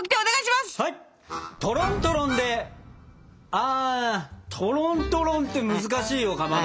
あトロントロンって難しいよかまど。